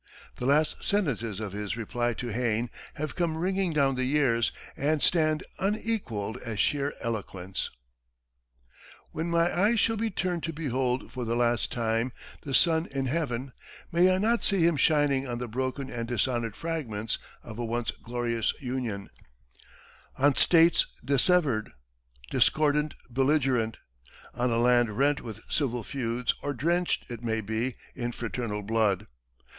The last sentences of his reply to Hayne have come ringing down the years, and stand unequalled as sheer eloquence: "When my eyes shall be turned to behold for the last time the sun in heaven, may I not see him shining on the broken and dishonored fragments of a once glorious Union; on States dissevered, discordant, belligerent; on a land rent with civil feuds or drenched, it may be, in fraternal blood!